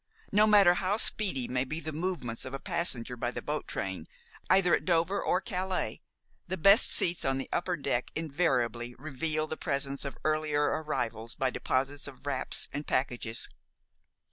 No matter how speedy may be the movements of a passenger by the boat train, either at Dover or Calais, the best seats on the upper deck invariably reveal the presence of earlier arrivals by deposits of wraps and packages.